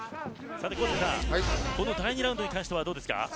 高阪さん、この第２ラウンドに関してはどうですか？